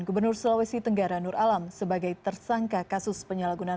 gubernur sulawesi tenggara nur alam sebagai tersangka kasus penyalahgunaan